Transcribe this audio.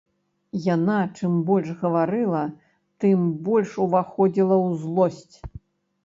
Яна чым больш гаварыла, тым больш уваходзіла ў злосць.